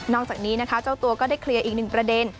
จากนี้นะคะเจ้าตัวก็ได้เคลียร์อีกหนึ่งประเด็น